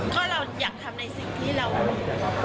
ก็เราอยากทำในสิ่งที่เรากระต่ระค่ะ